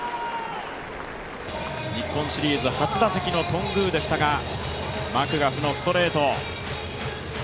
日本シリーズ初打席の頓宮でしたが、マクガフのストレート。